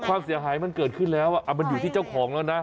ความเสียหายมันเกิดขึ้นแล้วมันอยู่ที่เจ้าของแล้วนะ